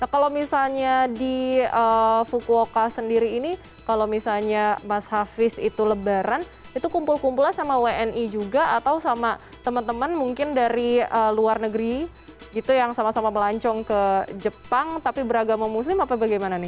kalau misalnya di fukuoka sendiri ini kalau misalnya mas hafiz itu lebaran itu kumpul kumpulnya sama wni juga atau sama teman teman mungkin dari luar negeri gitu yang sama sama melancong ke jepang tapi beragama muslim apa bagaimana nih